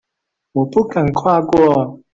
我不敢跨過